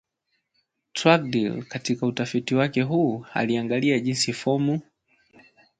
Trudgill katika utafiti wake huu aliangalia jinsi Fomu